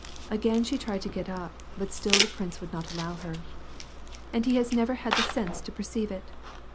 Again she tried to get up, but still tluj prince Avonld not allow ber. "And he has never had the sense to perceive it.